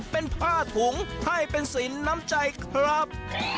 เป็นผ้าถุงให้เป็นสินน้ำใจครับ